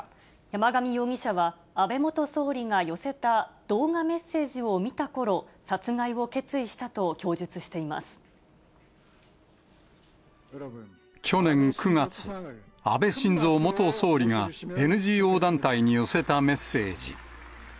山上容疑者は、安倍元総理が寄せた動画メッセージを見たころ、去年９月、安倍晋三元総理がＮＧＯ団体に寄せたメッセージ。